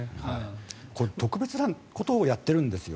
これ、特別なことをやっているんですよ。